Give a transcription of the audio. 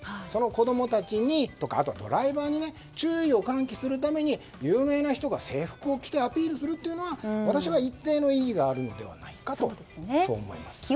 その子供たちにとかあとドライバーに注意を喚起するために有名な人が制服を着てアピールするというのは私は一定の意義があるのではないかと思います。